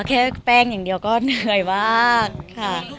แค่แป้งอย่างเดียวก็เหนื่อยมากค่ะ